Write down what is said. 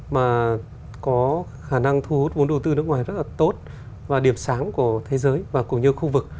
mà có khả năng thu hút vốn đầu tư nước ngoài rất là tốt và điểm sáng của thế giới và cũng như khu vực